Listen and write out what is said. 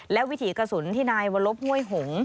และวิถีกระสุนที่นายวรบห้วยหง